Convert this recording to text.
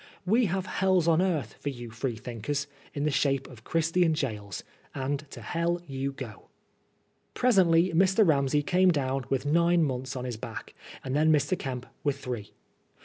We have hells on earth for you Freethinkers, in the shape of Christian gaols, and to hell you go I'* Presently Mr. Ramsey came down with nine months on his back, and then Mr. Kemp with three.